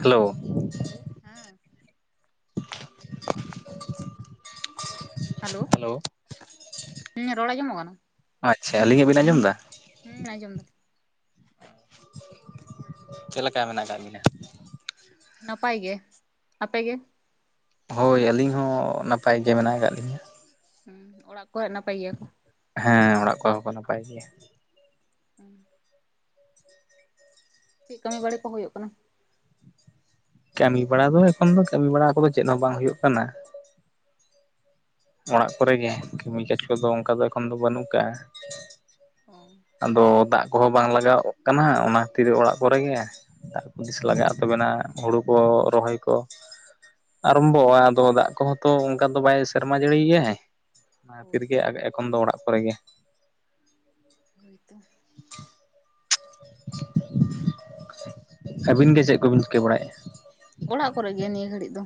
Hello ᱦᱮᱸ [inaudible] [inaudible] hello ᱦᱮᱸ ᱨᱚᱲ ᱟᱸᱡᱚᱢᱚᱜ ᱠᱟᱱᱟ ᱟᱪᱪᱷᱟ ᱟᱹᱞᱤᱧᱟᱜ ᱵᱤᱱ ᱟᱸᱡᱚᱢ ᱮᱫᱟ᱾ ᱦᱩᱸ ᱟᱸᱡᱚᱢ ᱫᱟᱞᱤᱧ᱾ ᱪᱮᱫᱞᱮᱠᱟ ᱢᱮᱱᱟᱜ ᱠᱟᱜ ᱵᱤᱱᱟ? ᱱᱟᱯᱟᱭ ᱜᱮ ᱟᱯᱮᱜᱮ? ᱦᱳᱭ ᱟᱹᱞᱤᱧ ᱦᱚᱸ ᱱᱟᱯᱟᱭ ᱜᱮ ᱢᱮᱱᱟᱜ ᱟᱠᱟᱫ ᱞᱤᱧᱟ᱾ ᱚᱲᱟᱜ ᱠᱚ ᱦᱟᱜ ᱱᱟᱯᱟᱭ ᱜᱮᱭᱟ ᱠᱚ᱾ ᱦᱮᱸ ᱚᱲᱟᱜ ᱠᱚ ᱦᱚᱸ ᱠᱚ ᱱᱟᱯᱟᱭ ᱜᱮᱭᱟ᱾ [unintelligible] ᱪᱮᱫ ᱠᱟᱹᱢᱤ ᱵᱟᱲᱮ ᱠᱚ ᱦᱩᱭᱩᱜ ᱠᱟᱱᱟᱵ ᱠᱟᱹᱢᱤ ᱵᱟᱲᱟ ᱫᱚ ᱮᱠᱷᱚᱱ ᱫᱚ ᱠᱟᱹᱢᱤ ᱵᱟᱲᱟ ᱠᱚᱫᱚ ᱪᱮᱫ ᱦᱚᱸ ᱵᱟᱝ ᱦᱩᱭᱩᱜ ᱠᱟᱱᱟ᱾ ᱚᱲᱟᱜ ᱠᱚᱨᱮᱜᱮ ᱠᱟᱹᱢᱤ ᱠᱟᱡᱽ ᱠᱚᱫᱚ ᱚᱱᱠᱟ ᱫᱚ ᱮᱠᱷᱚᱱ ᱫᱚ ᱵᱟᱹᱱᱩᱜ ᱠᱟᱜᱼᱟ᱾ ᱚ ᱟᱫᱚ ᱫᱟᱜ ᱠᱚᱦᱚᱸ ᱵᱟᱝ ᱞᱟᱜᱟᱣᱚᱜ ᱠᱟᱱᱟ ᱚᱱᱟ ᱠᱷᱟᱹᱛᱤᱨ ᱚᱲᱟᱜ ᱠᱚᱨᱮ ᱜᱮ᱾ ᱫᱟᱨ ᱠᱚ ᱫᱤᱥᱟᱹ ᱞᱟᱜᱟᱜᱼᱟ ᱛᱟᱵᱮᱱᱟ ᱦᱩᱲᱩ ᱠᱚ ᱨᱚᱦᱚᱭ ᱠᱚ ᱟᱨᱟᱢᱵᱷᱚᱜᱼᱟ ᱟᱫᱚ ᱫᱟᱜ ᱠᱚᱦᱚᱸ ᱛᱚ ᱚᱱᱠᱟ ᱫᱚ ᱵᱟᱭ ᱥᱮᱨᱢᱟ ᱡᱟᱹᱲᱤ ᱜᱮᱭᱟ ᱚᱱᱟ ᱦᱳᱭ ᱛᱤᱨᱜᱮ ᱮᱠᱷᱚᱱ ᱫᱚ ᱚᱲᱟᱜ ᱠᱚᱨᱮ ᱜᱮ᱾ [inaudible] ᱟᱹᱵᱤᱱ ᱜᱮ ᱪᱮᱫ ᱠᱚ ᱵᱤᱱ ᱪᱤᱠᱟᱹ ᱵᱟᱲᱟᱭᱮᱜᱼᱟ᱾ ᱚᱲᱟᱜ ᱠᱚᱨᱮ ᱜᱮ ᱱᱤᱭᱟᱹ ᱜᱷᱟᱹᱲᱤᱡ ᱫᱚ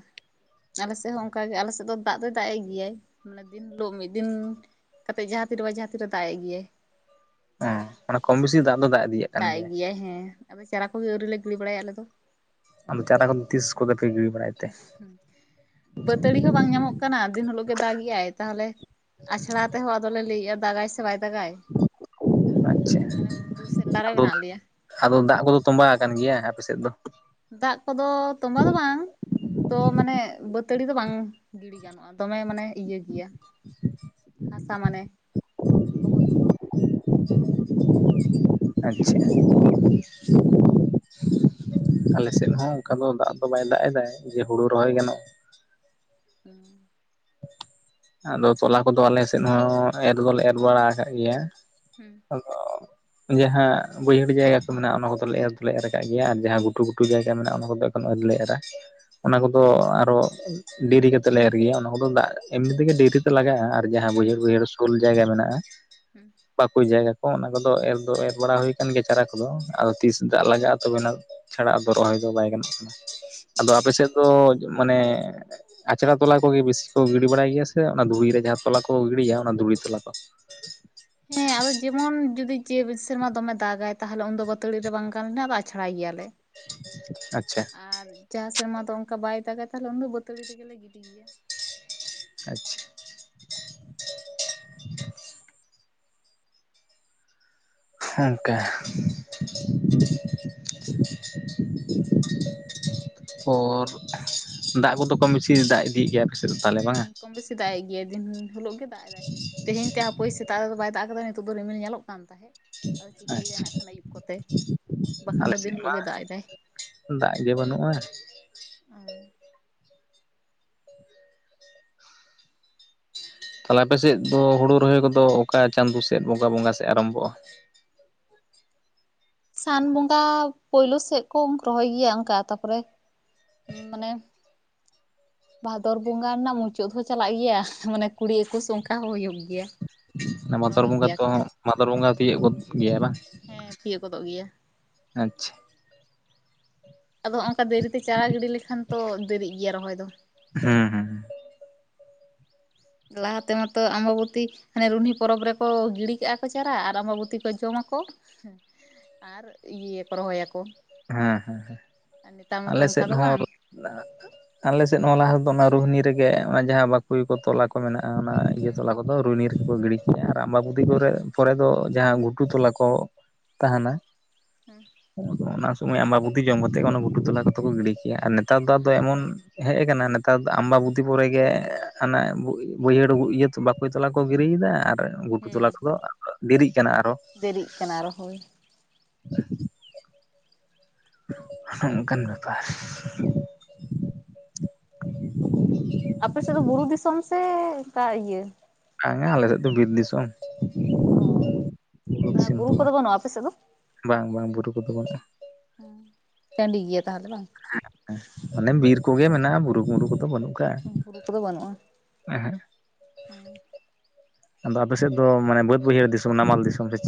ᱟᱞᱮ ᱥᱮᱫ ᱦᱚᱸ ᱚᱱᱠᱟ ᱜᱮ ᱟᱞᱮ ᱥᱮᱫ ᱫᱚ ᱫᱟᱜ ᱫᱚ ᱫᱟᱜ ᱮᱜ ᱜᱮᱭᱟᱭ᱾ ᱫᱤᱱ ᱦᱤᱞᱳᱜ ᱢᱤᱫ ᱫᱤᱱ ᱠᱟᱛᱮᱜ ᱡᱟᱦᱟ ᱛᱤᱨ ᱨᱮ ᱵᱟᱝ ᱡᱟᱦᱟ ᱛᱤ ᱨᱮ ᱫᱟᱜ ᱮᱜ ᱜᱮᱭᱟᱭ᱾ ᱚ ᱚᱱᱮ ᱠᱚᱢ ᱵᱮᱥᱤ ᱫᱟᱜ ᱫᱚ ᱫᱟᱜ ᱤᱫᱤᱭᱮᱫ ᱠᱟᱱ ᱫᱟᱜ ᱜᱮᱭᱟ ᱮᱜ ᱜᱮᱭᱟᱭ ᱦᱮᱸ ᱟᱫᱚ ᱪᱟᱨᱟ ᱠᱚᱜᱮ ᱟᱹᱣᱨᱤ ᱞᱮ ᱜᱤᱲᱤ ᱵᱟᱲᱟᱭᱟ ᱟᱞᱮᱫ ᱫᱚ᱾ ᱟᱫᱚ ᱪᱟᱨᱟ ᱠᱚ ᱫᱚ ᱛᱤᱥ ᱠᱚᱛᱮ ᱯᱮ ᱜᱤᱲᱤ ᱵᱟᱲᱟᱭᱟ᱾ ᱵᱟᱹᱛᱟᱲᱤ ᱦᱚᱸ ᱵᱟᱝ ᱧᱟᱢᱚᱜ ᱠᱟᱱᱟ ᱫᱤᱱ ᱦᱤᱞᱳᱜ ᱜᱮ ᱫᱟᱜ ᱮᱜᱟᱭ ᱛᱟᱦᱞᱮ ᱟᱪᱷᱟᱲᱟ ᱛᱮᱦᱚᱸ ᱟᱫᱚ ᱞᱮ ᱞᱟᱹᱭ ᱮᱜᱼᱟ ᱫᱟᱜ ᱟᱭ ᱥᱮ ᱵᱟᱭ ᱫᱟᱜ ᱟᱭ᱾ ᱟᱪᱪᱷᱟ, ᱫᱩ ᱥᱮᱨᱞᱟ ᱨᱮ ᱟᱫᱚ ᱢᱮᱱᱟᱜ ᱞᱮᱭᱟ ᱟᱫᱚ ᱫᱟᱜ ᱠᱚᱫᱚ ᱛᱚᱸᱵᱟ ᱟᱠᱟᱱ ᱜᱮᱭᱟ ᱟᱯᱮ ᱥᱮᱫ ᱫᱚ᱾ ᱫᱟᱜ ᱠᱚ ᱫᱚ ᱛᱚᱸᱵᱟ ᱫᱚ ᱵᱟᱝ ᱛᱚ ᱢᱟᱱᱮ ᱵᱟᱹᱛᱟᱲᱤ ᱫᱚ ᱵᱟᱝᱼᱼ ᱜᱤᱲᱤ ᱜᱟᱱᱚᱜᱼᱟ ᱫᱚᱢᱮ ᱢᱟᱱᱮ ᱤᱭᱟᱹ ᱜᱮᱭᱟ ᱦᱟᱥᱟ ᱢᱟᱱᱮ ᱞᱚᱦᱚᱫ ᱜᱮᱭᱟ [unintelligible] ᱟᱪᱪᱷᱟ ᱟᱞᱮ ᱥᱮᱫ ᱦᱚᱸ ᱚᱱᱠᱟ ᱫᱚ ᱫᱟᱜ ᱫᱚ ᱵᱟᱭ ᱫᱟᱜ ᱮᱫᱟ ᱡᱮ ᱦᱳᱲᱳ ᱨᱚᱦᱚᱭ ᱜᱟᱱᱚᱜ [inaudible] ᱟᱫᱚ ᱛᱚᱞᱟ ᱠᱚ ᱫᱚ ᱟᱞᱮ ᱥᱮᱫ ᱦᱚᱸ ᱮᱨ ᱫᱚᱞᱮ ᱮᱨ ᱵᱟᱲᱟ ᱟᱠᱟᱫ ᱜᱮᱭᱟ ᱦᱮᱸ ᱟᱫᱚ ᱡᱟᱦᱟ ᱵᱟᱹᱭᱦᱟᱹᱲ ᱡᱟᱭᱜᱟ ᱠᱚ ᱢᱮᱱᱟᱜᱼᱟ ᱚᱱᱟ ᱠᱚᱫᱚ ᱞᱮ ᱮᱨ ᱫᱚᱞᱮ ᱮᱨ ᱠᱟᱜ ᱜᱮᱭᱟ ᱟᱨ ᱡᱟᱦᱟ ᱜᱷᱩᱴᱩ ᱜᱷᱩᱴᱩ ᱡᱟᱭᱜᱟ ᱢᱮᱱᱟᱜᱼᱟ ᱚᱱᱟ ᱠᱚ ᱫᱚᱼᱼ [unintelligible] ᱟᱹᱣᱨᱤ ᱞᱮ ᱮᱨᱟ ᱚᱱᱟ ᱠᱚᱫᱚ ᱟᱨᱚ ᱰᱮᱨᱤ ᱠᱟᱛᱮᱫ ᱞᱮ ᱮᱨ ᱜᱮᱭᱟ ᱚᱱᱟ ᱠᱚ ᱫᱚ ᱫᱟᱜᱼᱼ ᱮᱢᱱᱤ ᱛᱮᱜᱮ ᱰᱮᱨᱤ ᱛᱮ ᱞᱟᱜᱟᱜᱼᱟ ᱟᱨ ᱡᱟᱦᱟ ᱦᱩᱸ ᱵᱟᱹᱭᱦᱟᱹᱲ ᱵᱟᱹᱭᱦᱟᱹᱲ ᱥᱳᱞ ᱡᱟᱭᱜᱟ ᱢᱮᱱᱟᱜᱼᱟ [unintelligible] ᱚᱠᱟ ᱠᱚ ᱡᱟᱭᱜᱟ ᱠᱚ ᱚᱱᱟ ᱠᱚ ᱫᱚ ᱮᱨ ᱫᱚ ᱮᱨ ᱵᱟᱲᱟ ᱦᱩᱭ ᱠᱟᱱ ᱜᱮᱭᱟ ᱪᱟᱨᱟ ᱠᱚ ᱫᱚ ᱟᱫᱚ ᱛᱤᱥ ᱫᱟᱜ ᱞᱟᱜᱟᱜᱼᱟ ᱛᱚᱵᱮ ᱱᱟ ᱪᱷᱟᱲᱟ ᱟᱫᱚ ᱨᱚᱦᱚᱭ ᱫᱚ ᱵᱟᱭ ᱜᱟᱱᱚᱜ ᱠᱟᱱᱟ ᱟᱫᱚ ᱟᱯᱮ ᱦᱩᱸ ᱥᱮᱫ ᱫᱚ ᱢᱟᱱᱮ ᱟᱪᱷᱟᱲᱟ ᱛᱚᱞᱟ ᱠᱚ ᱜᱮ ᱵᱤᱥᱤ ᱠᱚ [unintelligible] [unintelligible] ᱵᱟᱲᱟᱭ ᱜᱮᱭᱟ ᱥᱮ ᱚᱱᱟ ᱫᱷᱩᱲᱤ ᱨᱮ ᱡᱟᱦᱟᱸ ᱛᱚᱞᱟ ᱠᱚ ᱜᱤᱲᱤᱭᱟ ᱚᱱᱟ ᱫᱷᱩᱲᱤ ᱛᱚᱞᱟ ᱠᱚ ᱦᱮᱸ ᱟᱫᱚ ᱡᱮᱢᱚᱱ ᱡᱩᱫᱤ ᱡᱮ ᱥᱮᱨᱢᱟ ᱫᱚᱢᱮ ᱫᱟᱜ ᱟᱭ ᱛᱟᱦᱞᱮ ᱩᱱᱫᱚ ᱵᱟᱹᱛᱟᱲᱤ ᱨᱮ ᱵᱟᱝ ᱜᱟᱱ ᱞᱮᱱᱟ ᱟᱫᱚ ᱟᱪᱷᱟᱲᱟᱭ ᱜᱮᱭᱟ ᱞᱮ ᱟᱪᱪᱷᱟ ᱟᱨ ᱡᱟᱦᱟ ᱥᱮᱨᱢᱟ ᱫᱚ ᱚᱱᱠᱟ ᱵᱟᱭ ᱫᱟᱜ-ᱟ ᱛᱟᱦᱞᱮ ᱩᱱ ᱫᱚ ᱵᱟᱹᱛᱟᱲᱤ ᱨᱮᱜᱮ ᱞᱮ ᱜᱤᱰᱤ ᱜᱮᱭᱟ ᱟᱪᱪᱷᱟ ᱦᱮ ᱚᱱᱠᱟ [unintelligible] ᱯᱚᱨ ᱫᱟᱜ ᱠᱚ ᱫᱚ ᱠᱚᱢ ᱵᱤᱥᱤ ᱫᱟᱜ ᱤᱫᱤ ᱭᱮᱜ ᱜᱮᱭᱟ ᱟᱯᱮ ᱥᱮᱫ ᱫᱚ ᱛᱟᱦᱞᱮ ᱵᱟᱝ ᱟ ᱦᱩᱸ ᱠᱚᱢ ᱵᱮᱥᱤ ᱫᱟᱜ ᱮᱜ ᱜᱮᱭᱟ ᱫᱤᱱ ᱦᱤᱞᱳ ᱜᱮ ᱫᱟᱜ ᱮᱫᱟᱭ ᱛᱮᱦᱮᱧ ᱛᱮᱫ ᱦᱟᱹᱯᱳᱭ ᱥᱮᱛᱟᱜ ᱨᱮ ᱫᱚ ᱵᱟᱭ ᱫᱟᱜ ᱟᱠᱟᱫᱟ ᱛᱳᱵᱩ ᱨᱤᱢᱤᱞ ᱧᱮᱞ ᱚᱜ ᱠᱟᱱ ᱛᱟᱦᱮᱸᱫ ᱟᱫᱚ ᱪᱤᱠᱟᱹᱭ ᱮᱫᱟᱭ ᱟᱪᱪᱷᱟ ᱱᱟᱜ ᱠᱷᱟᱱ ᱟᱹᱭᱩᱵ ᱠᱚᱛᱮ ᱵᱟᱠᱷᱟᱱ ᱟᱞᱮ ᱫᱚ ᱥᱮᱫ ᱫᱤᱱ ᱢᱟ ᱦᱤᱞᱳᱜ ᱜᱮ ᱫᱟᱜ ᱮᱫᱟᱭ ᱫᱟᱜ ᱜᱮ ᱵᱟᱹᱱᱩᱜᱼᱟ ᱚ ᱛᱟᱦᱞᱮ ᱟᱯᱮ ᱥᱮᱫ ᱫᱚ ᱦᱩᱲᱩ ᱨᱚᱦᱚᱭ ᱠᱚ ᱫᱚ ᱚᱠᱟ ᱪᱟᱸᱫᱳ ᱥᱮᱫ ᱵᱚᱸᱜᱟ ᱵᱚᱸᱜᱟ ᱥᱮᱫ ᱟᱨᱟᱢ ᱵᱚᱜᱼᱟ ᱥᱟᱱ ᱵᱚᱸᱜᱟ ᱯᱳᱭᱞᱳ ᱥᱮᱫ ᱠᱚ ᱨᱚᱦᱚᱭ ᱜᱮᱭᱟ ᱚᱱᱠᱟ ᱛᱟᱯᱚᱨᱮ ᱢᱟᱱᱮᱼᱼ ᱵᱷᱟᱫᱚᱨ ᱵᱚᱸᱜᱟ ᱨᱮᱱᱟᱜ ᱢᱩᱪᱟᱹᱫ ᱦᱚᱸ ᱪᱟᱞᱟᱜ ᱜᱮᱭᱟ ᱢᱟᱱᱮ ᱠᱩᱲᱤ ᱮᱠᱩᱥ ᱚᱱᱠᱟ ᱦᱚᱸ ᱦᱩᱭᱩᱜ ᱜᱮᱭᱟ ᱵᱷᱟᱫᱚᱨ ᱨᱚᱦᱚᱭ ᱵᱚᱸᱜᱟ ᱜᱮᱭᱟ ᱛᱚ ᱠᱚ ᱵᱷᱟᱫᱚᱨ ᱵᱚᱸᱜᱟ ᱛᱤᱭᱳᱜ ᱜᱚᱫ ᱜᱮᱭᱟᱭ ᱵᱟᱝᱼᱼ ᱦᱮᱸ ᱛᱤᱭᱳ ᱜᱚᱫᱚᱜ ᱜᱮᱭᱟ ᱟᱪᱪᱷᱟ ᱟᱫᱚ ᱦᱚᱸ ᱚᱝᱠᱟ ᱫᱤᱨᱤ ᱛᱮᱼᱼ ᱪᱟᱨᱟ ᱜᱤᱰᱤ ᱞᱮ ᱠᱷᱟᱱ ᱛᱚ ᱫᱮᱨᱤᱜ ᱜᱮᱭᱟ ᱨᱚᱦᱚᱭ ᱫᱚᱼᱼ ᱦᱮᱸ ᱦᱮᱸ ᱞᱟᱦᱟ ᱛᱮ ᱢᱟᱛᱚ ᱟᱸᱵᱟᱵᱚᱛᱤ ᱦᱟᱱᱮ ᱨᱩᱱᱦᱤ ᱯᱚᱨᱚᱵᱽ ᱨᱮ ᱠᱚ ᱜᱤᱰᱤ ᱠᱟᱜᱼᱟ ᱠᱚ ᱪᱟᱨᱟ ᱟᱨ ᱟᱸᱵᱟᱵᱚᱛᱤ ᱠᱚ ᱡᱚᱢ ᱟᱠᱚᱼᱼ ᱟᱨ ᱤᱭᱟᱹᱭ ᱟᱠᱚ ᱨᱚᱦᱚᱭ ᱟᱠᱚᱼᱼ ᱦᱮᱸ ᱦᱮᱸ ᱦᱮᱸ ᱟᱞᱮ ᱚᱱᱠᱟ ᱥᱮᱫ ᱫᱚ ᱦᱚᱸ ᱵᱟᱝ ᱟᱞᱮ ᱥᱮᱫ ᱦᱚᱸ ᱞᱟᱦᱟ ᱫᱚ ᱚᱱᱟ ᱨᱳᱦᱱᱤ ᱨᱮᱜᱮ ᱚᱱᱟ ᱡᱟᱦᱟᱸ [unintelligible] ᱠᱚ ᱛᱚᱞᱟ ᱠᱚ ᱢᱮᱱᱟᱜᱼᱟ ᱚᱱᱟ ᱤᱭᱟᱹ ᱛᱚᱞᱟ ᱠᱚᱼᱼ ᱫᱚ ᱨᱩᱭᱱᱤ ᱨᱮ ᱠᱚ ᱜᱤᱰᱤ ᱠᱮᱫ-ᱟ ᱟᱨ ᱟᱢᱵᱟᱵᱩᱫᱤ ᱠᱚᱨᱮᱜ ᱯᱚᱨᱮ ᱫᱚ ᱡᱟᱦᱟᱸ ᱜᱷᱩᱴᱩ ᱛᱚᱞᱟ ᱠᱚ ᱛᱟᱦᱮᱱᱟ ᱦᱮᱸ ᱟᱫᱚ ᱚᱱᱟ ᱥᱚᱢᱟᱹᱭ ᱟᱢᱵᱟᱵᱩᱛᱤ ᱡᱚᱢ ᱠᱟᱛᱮᱜ ᱜᱮ ᱚᱱᱟ ᱜᱷᱩᱴᱩ ᱛᱚᱞᱟ ᱠᱚ ᱠᱚᱫᱚ ᱠᱚ ᱜᱤᱰᱤ ᱠᱮᱫ-ᱟ ᱟᱨ ᱱᱮᱛᱟᱨ ᱫᱚ ᱟᱫᱚ ᱮᱢᱚᱱ ᱦᱮᱡ ᱠᱟᱱᱟ ᱱᱮᱛᱟᱨ ᱫᱚ ᱟᱢᱵᱟᱵᱩᱛᱤ ᱯᱚᱨᱮ ᱜᱮ ᱦᱟᱱᱮ ᱵᱟᱹᱭᱦᱟᱹᱲ ᱤᱭᱟᱹ ᱵᱟᱠᱚ ᱛᱚᱞᱟ ᱠᱚ ᱜᱤᱨᱤᱭᱮᱫᱟ ᱟᱨ ᱜᱷᱩᱴᱩ ᱛᱚᱞᱟ ᱦᱮᱸ ᱠᱚᱫᱚ ᱫᱮᱨᱤᱜ ᱠᱟᱱᱟ ᱟᱨᱚ, ᱫᱮᱨᱤᱜ ᱠᱟᱱᱟ ᱨᱚᱦᱚ ᱦᱳᱭ [inaudible] ᱦᱚᱜ-ᱚᱱᱠᱟᱱ ᱵᱮᱯᱟᱨ, ᱟᱯᱮᱥᱮᱫ ᱫᱚ ᱵᱩᱨᱩ ᱫᱤᱥᱚᱢ ᱥᱮ ᱚᱱᱠᱟ ᱤᱭᱟᱹ ᱵᱟᱝᱟ ᱟᱞᱮ ᱥᱮᱫ ᱫᱚ ᱵᱤᱨ ᱫᱤᱥᱚᱢ, ᱚ ᱢᱟᱱᱮ ᱫᱤᱥᱚᱢ ᱵᱩᱨᱩ ᱫᱚ ᱠᱚᱫᱚ ᱵᱟᱝ ᱵᱟᱹᱱᱩᱜᱼᱟ ᱟᱯᱮ ᱥᱮᱫ ᱫᱚ, ᱵᱟᱝ ᱵᱟᱝ ᱵᱩᱨᱩ ᱠᱚᱫᱚ ᱵᱟᱹᱱᱩᱜᱼᱟ, ᱴᱟᱺᱰᱤ ᱜᱮᱭᱟ ᱛᱟᱦᱚᱞᱮ ᱵᱟᱝ, ᱢᱟᱱᱮ ᱵᱤᱨ ᱠᱚᱜᱮ ᱢᱮᱱᱟᱜᱼᱟ ᱵᱩᱨᱩ ᱢᱩᱨᱩ ᱠᱚᱫᱚ ᱵᱟᱹᱱᱩᱜ ᱵᱩᱨᱩ ᱠᱚᱫᱚ ᱵᱟᱹᱱᱩᱜᱼᱟ, ᱮ-ᱦᱮᱸᱜ, [inaudible] ᱟᱫᱚ ᱟᱯᱮ ᱥᱮᱫ ᱫᱚ ᱢᱟᱱᱮ ᱵᱟᱹᱫ ᱵᱟᱹᱭᱦᱟᱹᱲ ᱫᱤᱥᱚᱢ ᱱᱟᱢᱟᱞ ᱫᱤᱥᱚᱢ ᱥᱮᱪᱮᱫ?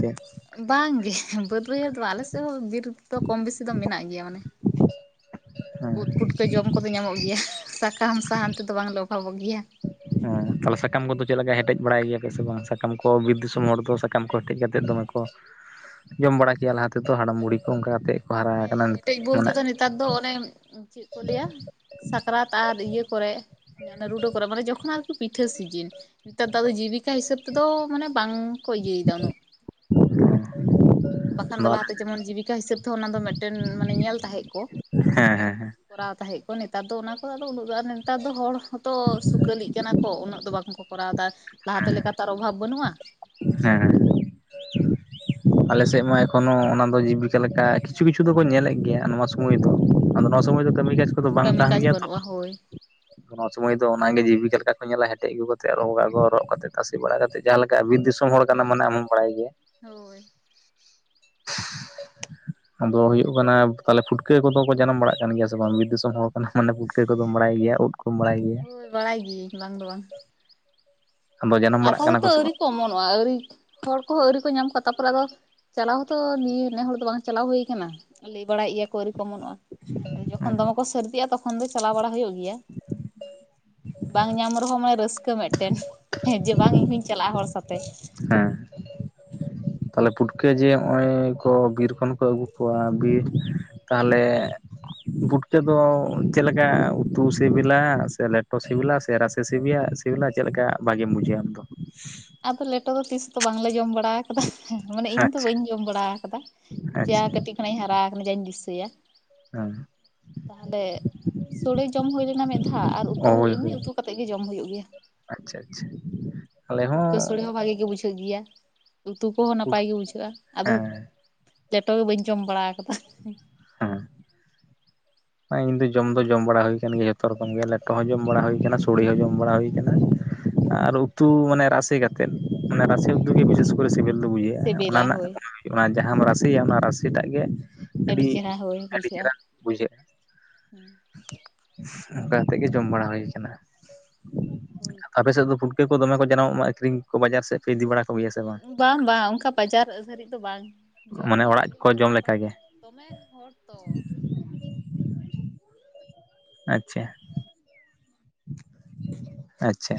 ᱵᱟᱝᱜᱮ ᱵᱟᱹᱫᱽ ᱵᱟᱹᱭᱦᱟᱹᱲ ᱫᱚ ᱵᱟᱝ ᱟᱞᱮ ᱥᱮᱫ ᱦᱚᱸ ᱵᱤᱨ ᱫᱚ ᱠᱚᱢ ᱵᱮᱥᱤ ᱫᱚ ᱢᱮᱱᱟᱜ ᱜᱮᱭᱟ ᱢᱟᱱᱮ, ᱦᱮᱸ ᱛᱚ ᱡᱚᱢ ᱠᱚᱫᱚ ᱧᱟᱢᱚᱜ ᱜᱮᱭᱟ ᱥᱟᱠᱟᱢ ᱥᱟᱦᱟᱱ ᱛᱮᱫᱚ ᱵᱟᱝᱞᱮ ᱚᱵᱷᱟᱵᱚᱜ ᱜᱮᱭᱟ, ᱦᱮᱸ ᱛᱟᱦᱚᱞᱮ ᱥᱟᱠᱟᱢ ᱠᱚ ᱫᱚ ᱪᱮᱫ ᱞᱮᱠᱟ ᱦᱮᱴᱮᱡ ᱵᱟᱲᱟᱭ ᱜᱮᱭᱟᱯᱮ ᱥᱮ ᱵᱟᱝ ᱥᱟᱠᱟᱢ ᱠᱚ ᱵᱤᱨ ᱫᱤᱥᱚᱢ ᱦᱚᱲ ᱫᱚ ᱥᱟᱠᱟᱢ ᱠᱚ ᱦᱮᱴᱮᱡ ᱠᱟᱛᱮ ᱛᱮᱫ ᱫᱚᱢᱮ ᱠᱚ ᱡᱚᱢ ᱵᱟᱲᱟ ᱠᱮᱫ-ᱟ ᱞᱟᱦᱟ ᱛᱮᱫᱚ ᱦᱟᱲᱟᱢ ᱵᱩᱲᱦᱤ ᱠᱚ ᱚᱱᱠᱟ ᱠᱟᱛᱮᱫ, ᱠᱚ ᱦᱟᱨᱟ ᱦᱮᱸ ᱟᱠᱟᱱᱟ ᱱᱤᱛᱚᱜ ᱦᱮᱴᱮᱡ ᱵᱚᱞᱛᱮ ᱢᱟᱱᱮ ᱫᱚ ᱱᱮᱛᱟᱨ ᱫᱚ ᱚᱱᱮ ᱪᱮᱫ ᱠᱚ ᱞᱮᱭᱟ, ᱥᱟᱠᱨᱟᱛ ᱟᱨ ᱤᱭᱟᱹ ᱠᱚᱨᱮ ᱨᱩᱰᱟᱹ ᱠᱚᱨᱮ ᱢᱟᱱᱮ ᱡᱚᱠᱷᱚᱱ ᱟᱨᱠᱤ ᱯᱤᱴᱷᱟᱹ ᱥᱤᱡᱤᱱ, ᱱᱮᱛᱟᱨ ᱫᱚ ᱟᱫᱚ ᱡᱤᱵᱤᱠᱟ ᱦᱤᱥᱟᱹᱵᱽ ᱛᱮᱫᱚ ᱢᱟᱱᱮ ᱵᱟᱝᱠᱚ ᱤᱭᱟᱹᱭᱮᱫᱟ ᱩᱱᱟᱹᱜ, [inaudible] ᱵᱟᱠᱷᱟᱱ ᱫᱚ ᱞᱟᱦᱟᱛᱮ ᱡᱮᱢᱚᱱ ᱡᱤᱵᱤᱠᱟ ᱦᱤᱥᱟᱹᱵ ᱛᱮ ᱦᱚᱸ ᱚᱱᱟ ᱫᱚ ᱢᱤᱫᱴᱮᱱ ᱢᱟᱱᱮ ᱧᱮᱞ ᱛᱟᱦᱮᱸᱜ ᱠᱚ, ᱦᱮᱸ ᱦᱮᱸ ᱦᱮᱸ ᱠᱚᱨᱟᱣ ᱛᱟᱦᱮᱸᱫ ᱠᱚ ᱱᱮᱛᱟᱨ ᱫᱚ ᱚᱱᱟ ᱠᱚᱫᱚ ᱟᱫᱚ ᱩᱱᱟᱹᱜ ᱫᱚᱟᱨ ᱱᱮᱛᱟᱨ ᱫᱚ ᱦᱚᱲ ᱦᱚᱸᱛᱚ ᱥᱩᱠᱟᱹᱞᱤᱜ ᱠᱟᱱᱟ ᱠᱚ, ᱠᱚ ᱩᱱᱟᱹᱜ ᱫᱚ ᱵᱟᱝ ᱠᱚ ᱠᱚᱨᱟᱣ ᱮᱫᱟ ᱞᱟᱦᱟᱛᱮ ᱞᱮᱠᱟ ᱞᱮᱠᱟᱛᱮ ᱟᱨ ᱚᱵᱷᱟᱵᱽ ᱵᱟᱹᱱᱩᱜᱼᱟ, ᱦᱮᱸ ᱟᱞᱮ ᱥᱮᱫ ᱢᱟ ᱮᱠᱷᱚᱱᱳ ᱚᱱᱟ ᱫᱚ ᱡᱤᱵᱤᱠᱟ ᱞᱮᱠᱟ ᱠᱤᱪᱷᱩ ᱠᱤᱪᱷᱩ ᱫᱚᱠᱚ ᱧᱮᱞᱮᱫ ᱜᱮᱭᱟ ᱱᱚᱣᱟ, ᱥᱚᱢᱚᱭ ᱫᱚ ᱟᱫᱚ ᱱᱚᱣᱟ ᱥᱚᱢᱚᱭ ᱫᱚ ᱠᱟᱹᱢᱤ ᱠᱟᱡᱽ ᱠᱚᱫᱚ ᱵᱟᱝ ᱠᱟᱹᱢᱤ ᱛᱟᱦᱮᱱ ᱠᱟᱡᱽ ᱜᱮᱭᱟ ᱛᱚ, ᱵᱟᱹᱱᱩᱜᱼᱟ ᱦᱳᱭ, ᱱᱚᱣᱟ ᱥᱚᱢᱚᱭ ᱫᱚ ᱚᱱᱟᱜᱮ ᱡᱤᱵᱤᱠᱟ ᱞᱮᱠᱟ ᱠᱚ ᱧᱮᱞᱟ ᱦᱮᱴᱮᱡ ᱟᱹᱜᱩ ᱠᱟᱛᱮᱜ ᱨᱚᱜᱟᱠᱚ ᱨᱚᱜ ᱠᱟᱛᱮ ᱛᱟᱥᱮ ᱵᱟᱲᱟ ᱠᱟᱛᱮᱜ ᱡᱟᱦᱟᱸ ᱞᱮᱠᱟ ᱵᱤᱨ ᱫᱤᱥᱚᱢ, ᱦᱚᱲ ᱦᱩᱸ ᱠᱟᱱᱟᱢ ᱢᱟᱱᱮ ᱟᱢ ᱦᱚᱢ ᱵᱟᱲᱟᱭ ᱜᱮᱭᱟ, ᱦᱩᱸ ᱦᱳᱭ ᱟᱫᱚ ᱦᱩᱭᱩᱜ ᱠᱟᱱᱟ ᱛᱟᱞᱦᱮ ᱯᱷᱩᱴᱠᱟᱹ ᱠᱚᱫᱚ ᱠᱚ ᱡᱟᱱᱟᱢ ᱵᱟᱲᱟᱜ ᱠᱟᱱ ᱜᱮᱭᱟ ᱥᱮ ᱵᱟᱝ ᱵᱤᱨ ᱫᱤᱥᱚᱢ ᱦᱚᱲ ᱚᱱᱮ ᱢᱟᱱᱮ ᱯᱩᱴᱠᱟᱹ ᱠᱚᱫᱚᱢ ᱵᱟᱲᱟᱭ ᱜᱮᱭᱟ ᱩᱫᱽ ᱠᱚᱢ ᱵᱟᱲᱟᱭ ᱜᱮᱭᱟ, ᱦᱳᱭ ᱵᱟᱲᱟᱭ ᱜᱮᱤᱭᱟᱹᱧ ᱵᱟᱝ ᱫᱚ ᱵᱟᱝ, ᱟᱫᱚ ᱡᱟᱱᱟᱢ ᱟᱠᱚ ᱵᱟᱲᱟᱜ ᱠᱟᱱᱟ ᱦᱚᱭᱛᱳ ᱥᱮ ᱟᱹᱣᱨᱤ ᱵᱟᱝ ᱠᱚ ᱚᱢᱚᱱᱚᱜᱼᱟ ᱟᱹᱣᱨᱤ ᱦᱚᱲ ᱠᱚᱦᱚᱸ ᱟᱹᱣᱨᱤ ᱠᱚ ᱧᱟᱢ ᱠᱚᱣᱟ ᱛᱟᱯᱚᱨᱮ ᱟᱫᱚ, ᱪᱟᱞᱟᱣ ᱦᱚᱸᱛᱚ ᱱᱤᱭᱟᱹ ᱱᱮ ᱦᱚᱲ ᱫᱚ ᱵᱟᱝ ᱪᱟᱞᱟᱣ ᱦᱩᱭ ᱠᱟᱱᱟ, ᱞᱮᱭ ᱵᱟᱲᱟᱭᱮᱫ ᱜᱮᱭᱟ ᱠᱚ ᱟᱹᱣᱨᱤ ᱠᱚ ᱚᱢᱚᱱᱚᱜᱼᱟ ᱟᱫᱚ ᱡᱚᱠᱷᱚᱱ ᱫᱚᱢᱮ ᱠᱚ ᱥᱟᱹᱨᱫᱤᱜᱼᱟ ᱛᱚᱠᱷᱚᱱ ᱫᱚ ᱪᱟᱞᱟᱣ ᱵᱟᱲᱟ ᱦᱩᱭᱩᱜ ᱜᱮᱭᱟ ᱵᱟᱝ ᱧᱟᱢ ᱨᱮᱦᱚᱸ ᱢᱟᱱᱮ ᱨᱟᱹᱥᱠᱟᱹ ᱢᱮᱫᱴᱮᱱ, ᱦᱮᱸ ᱡᱮ ᱵᱟᱝ ᱤᱧ ᱦᱩᱧ ᱪᱟᱞᱟᱜᱼᱟ ᱦᱚᱲ ᱥᱟᱛᱮ, ᱦᱮᱸ ᱛᱟᱦᱞᱮ ᱯᱩᱴᱠᱟᱹ ᱡᱮ ᱦᱚᱜᱼᱚᱭ ᱠᱚ ᱵᱤᱨ ᱠᱷᱚᱱ ᱦᱚᱸᱠᱚ ᱟᱹᱜᱩ ᱠᱚᱣᱟ ᱵᱤᱨ ᱛᱟᱦᱚᱞᱮ, ᱯᱩᱴᱠᱟᱹ ᱫᱚ ᱪᱮᱫ ᱞᱮᱠᱟ ᱩᱛᱩ ᱥᱮᱵᱮᱞᱟ ᱥᱮ ᱞᱮᱴᱚ ᱥᱤᱵᱤᱞᱟ ᱥᱮ ᱨᱟᱥᱮ ᱥᱤᱵᱤᱭᱟ ᱥᱮ, ᱥᱤᱵᱤᱞᱟ ᱪᱮᱫ ᱞᱮᱠᱟ ᱵᱷᱟᱜᱮ ᱵᱩᱡᱟᱹᱣᱟ ᱟᱢ ᱫᱚ? ᱟᱫᱚ ᱞᱮᱴᱚ ᱫᱚ ᱛᱤᱥ ᱫᱚ ᱵᱟᱝᱞᱮ ᱡᱚᱢ ᱵᱟᱲᱟ ᱠᱟᱫᱟ ᱢᱟᱱᱮ ᱤᱧ ᱫᱚ ᱟᱪᱪᱷᱟ ᱵᱟᱹᱧ ᱡᱚᱢ ᱵᱟᱲᱟ ᱠᱟᱫᱟ, ᱡᱟ ᱟᱪᱪᱷᱟ ᱠᱟᱹᱴᱤᱡ ᱠᱷᱚᱱᱟᱜ ᱤᱧ ᱦᱟᱨᱟ ᱠᱟᱱᱟ ᱡᱟᱧ ᱫᱤᱥᱟᱹᱭᱟ᱾ ᱦᱮᱸ᱾ ᱛᱟᱦᱚᱞᱮ ᱥᱳᱲᱮ ᱡᱚᱢ ᱦᱩᱭ ᱞᱮᱱᱟ ᱢᱤᱫ ᱫᱷᱟᱣ ᱟᱨ ᱩᱛᱩ ᱦᱳᱭ ᱦᱳᱭ ᱮᱢᱱᱤ ᱩᱛᱩ ᱠᱟ ᱠᱟᱛᱮᱫ ᱜᱮ ᱡᱚᱢ ᱦᱩᱭᱩᱜ ᱜᱮᱭᱟ᱾ ᱟᱪᱪᱷᱟ ᱟᱪᱪᱷᱟ᱾ ᱟᱞᱮ ᱦᱚᱸ ᱯᱷᱩᱴᱠᱟ ᱥᱚᱲᱮ ᱦᱚᱸ ᱵᱷᱟᱜᱮ ᱜᱮ ᱵᱩᱡᱷᱟᱹᱜ ᱜᱤᱭᱟ, ᱩᱛᱩ ᱠᱚᱦᱚᱸ ᱱᱟᱯᱟᱭ ᱜᱮ ᱵᱩᱡᱷᱟᱹᱜᱼᱟ, ᱟᱫᱚ ᱦᱮᱸ ᱞᱮᱴᱚ ᱜᱮ ᱵᱟᱹᱧ ᱡᱚᱢ ᱵᱟᱲᱟ ᱠᱟᱫᱟ᱾ ᱦᱮᱸ᱾ ᱤᱧ ᱫᱚ ᱡᱚᱢ ᱫᱚ ᱡᱚᱢ ᱵᱟᱲᱟ ᱦᱩᱭ ᱠᱟᱱ ᱜᱮᱭᱟ ᱡᱷᱚᱛᱚ ᱨᱚᱠᱚᱢ ᱜᱮ ᱞᱮᱴᱚ ᱦᱚᱸ ᱡᱚᱢ ᱵᱟᱲᱟ ᱦᱩᱭ ᱠᱟᱱᱟ, ᱥᱳᱲᱮ ᱦᱚᱸ ᱡᱚᱢ ᱵᱟᱲᱟ ᱦᱩᱭ ᱠᱟᱱᱟ᱾ ᱟᱨ ᱩᱛᱩ ᱢᱟᱱᱮ ᱨᱟᱥ ᱠᱟ ᱛᱮᱫ ᱚᱱᱟ ᱨᱟᱥᱮ ᱦᱩᱸ ᱩᱛᱩ ᱨᱮ ᱵᱤᱥᱮᱥ ᱠᱚᱨᱮ ᱥᱤᱵᱤᱞ ᱫᱚ ᱵᱩᱡᱷᱟᱹᱜᱼᱟ ᱚᱱᱟ ᱥᱤᱵᱤᱞᱟ ᱨᱮᱱᱟᱜ ᱦᱳᱭ ᱚᱱᱟ ᱡᱟᱦᱟᱸᱢ ᱨᱟᱥᱮᱭᱟ ᱚᱱᱟ ᱨᱟᱥᱮ ᱴᱟᱜ ᱜᱮ ᱟᱹᱰᱤ ᱪᱮᱦᱨᱟ ᱦᱳᱭ ᱟᱹᱰᱤ ᱪᱮᱦᱨᱟ ᱵᱩᱡᱷᱟᱹᱜᱼᱟ᱾ ᱵᱩᱡᱷᱟᱹᱜᱼᱟ ᱚᱱᱠᱟ ᱠᱟᱛᱮ ᱜᱮ ᱡᱚᱢ ᱵᱟᱲᱟ ᱦᱩᱭᱩᱜ ᱠᱟᱱᱟ, ᱦᱳᱭᱛᱚ ᱟᱯᱮ ᱥᱮᱫ ᱫᱚ ᱯᱩᱴ ᱠᱟᱹ ᱠᱚ ᱫᱚᱢᱮ ᱠᱚ ᱡᱟᱱᱟᱢᱚᱜᱼᱟ, ᱟᱹᱠᱷᱨᱤᱧ ᱠᱚ ᱵᱟᱡᱟᱨ ᱥᱮᱫ ᱯᱮ ᱤᱫᱤ ᱵᱟᱲᱟ ᱠᱚᱜᱮᱭᱟ ᱥᱮ ᱵᱟᱝ ᱵᱟᱝ ᱚᱝᱠᱟ ᱵᱟᱡᱟᱨ ᱫᱷᱟᱹᱨᱤᱡ ᱫᱚ ᱵᱟᱝ ᱡᱚᱢ ᱢᱟᱱᱮ ᱜᱮ ᱚᱲᱟᱜ ᱵᱷᱟᱜᱤ ᱠᱚ ᱞᱮᱠᱟ ᱢᱟᱱᱮ ᱡᱚᱢ ᱵᱟᱝ ᱜᱮ ᱫᱚᱢᱮ ᱦᱚᱲ ᱛᱚ᱾ ᱟᱪᱪᱷᱟ ᱟᱪᱪᱷᱟ᱾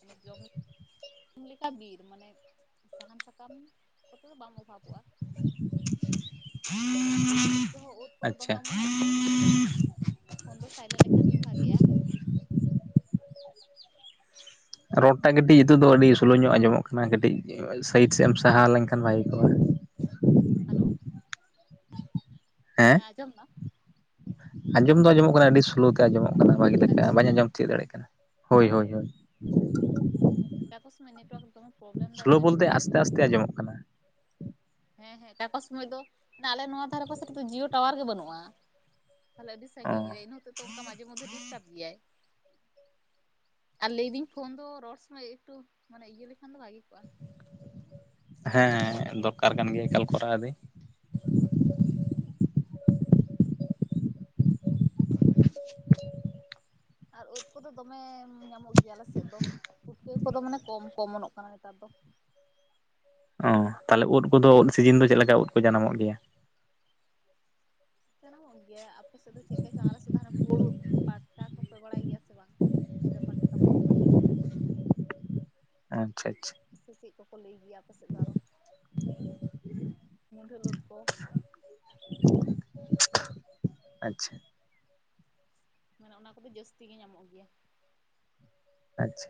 ᱢᱟᱱᱮ ᱡᱚᱢ ᱧᱩ ᱧᱩᱛᱩᱢ ᱞᱮᱠᱟ ᱵᱤᱨ ᱢᱟᱱᱮ ᱥᱟᱦᱟᱱ ᱥᱟᱠᱟᱢ ᱠᱚᱛᱮ ᱫᱚ ᱵᱟᱝ ᱚᱵᱷᱟᱵᱚᱜᱼᱟ᱾ ᱟᱫᱚ ᱚᱱᱟ ᱩᱫ ᱯᱩᱴᱠᱟᱹ ᱦᱚᱸ ᱩᱫ ᱠᱚᱫᱚ ᱟᱪᱪᱷᱟ᱾ ᱫᱚᱢᱮ ᱚᱢᱚᱱᱚᱜ ᱛᱮ ᱯᱷᱳᱱ ᱫᱚ ᱥᱟᱭᱞᱮᱱ ᱞᱮᱠᱷᱟᱱ ᱜᱮᱢ ᱵᱷᱟᱹᱜᱤᱜᱼᱟ᱾ ᱨᱚᱲᱴᱟᱜ ᱠᱟᱹᱴᱤᱡ ᱱᱤᱛᱩᱜ ᱫᱚ ᱟᱹᱰᱤ ᱥᱳᱞᱳ ᱧᱚᱜ ᱟᱸᱡᱚᱢᱚᱜ ᱠᱟᱱᱟ, ᱠᱟᱹᱴᱤᱡ ᱥᱟᱭᱤᱰ ᱥᱮᱫ ᱮᱢ ᱥᱟᱦᱟ ᱞᱮᱱᱠᱷᱟᱱ ᱵᱷᱟᱜᱤ ᱠᱚᱜᱼᱟ᱾ ᱦᱮᱞᱳ᱾ ᱦᱮᱸ ᱟᱡᱚᱢ ᱫᱟ? ᱟᱸᱡᱚᱢ ᱫᱚ ᱟᱸᱡᱚᱢᱚᱜ ᱠᱟᱱᱟ ᱟᱹᱰᱤ ᱥᱳᱞᱳ ᱛᱮ ᱟᱸᱡᱚᱢᱚᱜ ᱠᱟᱱᱟ, ᱵᱷᱟᱜᱤ ᱟᱹᱰᱤ ᱞᱮᱠᱟ ᱵᱟᱧ ᱥᱞᱳ ᱟᱸᱡᱚᱢ ᱛᱤᱭᱳᱜ ᱫᱟᱲᱮᱭᱟᱜ ᱠᱟᱱᱟ᱾ ᱦᱳᱭ ᱦᱳᱭ᱾ ᱚᱠᱟᱠᱚ ᱥᱚᱢᱳᱭ ᱱᱮᱴᱣᱟᱨᱠ ᱫᱚᱢᱮ ᱯᱨᱚᱵᱞᱮᱢ ᱫᱟᱭ ᱥᱳᱞᱳ ᱛᱚ ᱤᱱᱟᱹ ᱵᱚᱞᱛᱮ ᱦᱚᱛᱮᱡ ᱛᱮ ᱟᱥᱛᱮ ᱟᱥᱛᱮ ᱟᱸᱡᱚᱢᱚᱜ ᱠᱟᱱᱟ᱾ ᱦᱮᱸ ᱦᱮᱸ ᱚᱠᱟᱠᱚ ᱥᱚᱢᱚᱭ ᱫᱚ ᱢᱟᱱᱮ ᱟᱞᱮ ᱱᱚᱣᱟ ᱫᱷᱟᱨᱮ ᱯᱟᱥᱮ ᱨᱮᱫᱚ ᱡᱤᱭᱳ ᱴᱟᱣᱟᱨ ᱜᱮ ᱵᱟᱹᱱᱩᱜᱼᱟ᱾ ᱛᱟᱦᱚᱞᱮ ᱟᱹᱰᱤ ᱚ ᱥᱟᱺᱜᱤᱧ ᱨᱮ ᱤᱱᱟᱹ ᱦᱚᱛᱮᱡ ᱚᱱᱠᱟ ᱢᱟᱡᱷᱮ ᱢᱚᱫᱫᱷᱮ ᱰᱤᱥᱴᱟᱵ ᱜᱮᱭᱟᱭ᱾ ᱟᱨ ᱞᱟᱹᱭᱫᱟᱹᱧ ᱯᱷᱳᱱ ᱫᱚ ᱨᱚᱲ ᱥᱚᱢᱚᱭ ᱮᱠᱴᱩ ᱢᱟᱱᱮ ᱤᱭᱟᱹ ᱞᱮᱠᱷᱟᱱ ᱫᱚ ᱵᱷᱟᱜᱮ ᱠᱚᱜᱼᱟ᱾ ᱦᱮᱸ ᱥᱟᱭᱞᱮᱱᱴ ᱨᱮ ᱛᱟᱦᱮᱸ ᱦᱮᱸ ᱞᱮᱱᱠᱷᱟᱱ ᱫᱚᱨᱠᱟᱨ ᱠᱟᱱ ᱜᱮᱭᱟ ᱮᱠᱟᱞ ᱱᱳᱴᱤᱯᱷᱤᱠᱮᱥᱚᱱ ᱠᱚ ᱵᱟᱝ ᱧᱟᱢᱟ᱾ ᱠᱚᱨᱟᱣᱫᱟᱹᱧ᱾ ᱟᱨ ᱳᱫᱽ ᱠᱚᱫᱚ ᱫᱚᱢᱮ ᱧᱟᱢᱚᱜ ᱜᱮᱭᱟ ᱟᱞᱮ ᱥᱮᱫ ᱫᱚ, ᱯᱩᱴᱠᱟᱹ ᱠᱚᱫᱚ ᱢᱟᱱᱮ ᱠᱚᱢ ᱠᱚᱢᱚᱱᱚᱜ ᱠᱟᱱᱟ ᱱᱮᱛᱟᱨ ᱫᱚ᱾ ᱚ ᱛᱟᱦᱞᱮ ᱳᱫᱽ ᱠᱚᱫᱚ ᱳᱫᱽ ᱥᱤᱡᱤᱱ ᱫᱚ ᱪᱮᱫ ᱞᱮᱠᱟ ᱳᱫᱽ ᱠᱚ ᱡᱟᱱᱟᱢᱚᱜ ᱜᱮᱭᱟ? ᱢᱚᱜ ᱜᱮᱭᱟ ᱟᱯᱮ ᱥᱮᱫ ᱫᱚ ᱪᱮᱠᱠᱟ ᱪᱚ ᱟᱞᱮ ᱥᱮᱫ ᱫᱚ ᱦᱟᱸᱱᱮ ᱯᱩᱲ ᱩᱫᱽ ᱯᱟᱴ ᱠᱟ ᱠᱚᱯᱮ ᱵᱟᱲᱟᱭ ᱜᱮᱭᱟ ᱥᱮ ᱵᱟᱝ? ᱦᱮᱸᱫᱮ ᱯᱟᱴᱠᱟ ᱯᱩᱲ ᱯᱟᱹᱴᱠᱟ? ᱟᱪᱪᱷᱟ ᱪᱷᱟ᱾ ᱪᱮᱫ ᱠᱚᱠᱚ ᱞᱟᱹᱭ ᱜᱮᱭᱟ ᱟᱯ ᱥᱮᱫ ᱫᱚ ᱟᱨᱚ, ᱢᱩᱰᱷᱟᱹᱞ ᱳᱫᱽ ᱠᱚ᱾ ᱟᱪᱪᱷᱟ᱾ ᱢᱟᱱᱮ ᱚᱱᱟ ᱠᱚᱫᱚ ᱡᱟᱹᱥᱛᱤ ᱜᱮ ᱧᱟᱢᱚᱜ ᱜᱮᱭᱟ᱾ ᱟᱪᱪᱷᱟ᱾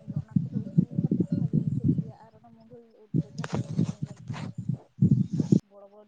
ᱤᱧᱫᱚ ᱚᱱᱟ ᱠᱚᱫᱚ ᱩᱛᱩ ᱠᱟᱛᱮᱫ ᱜᱮ ᱵᱷᱟᱜᱮ ᱵᱩᱡᱷᱟᱹᱜ ᱜᱮᱭᱟ ᱟᱨ ᱚᱱᱟ ᱢᱩᱰᱷᱟᱞ ᱩᱫᱽ ᱫᱚ ᱡᱟᱦᱟᱸ ᱞᱮᱸᱡᱮᱨ ᱞᱮᱸᱡᱮᱨ ᱜᱮᱭᱟ [inaudible] [unintelligible]